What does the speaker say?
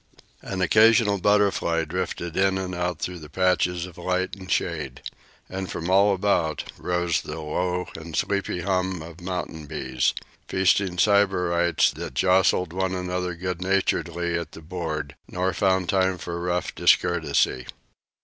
An occasional butterfly drifted in and out through the patches of light and shade. And from all about rose the low and sleepy hum of mountain bees feasting Sybarites that jostled one another good naturedly at the board, nor found time for rough discourtesy.